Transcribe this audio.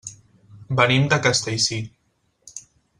Venim de Castellcir.